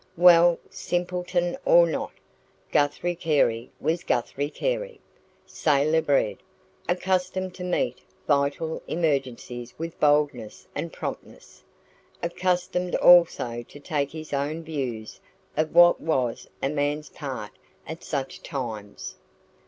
Well, simpleton or not, Guthrie Carey was Guthrie Carey sailor bred, accustomed to meet vital emergencies with boldness and promptness; accustomed also to take his own views of what was a man's part at such times.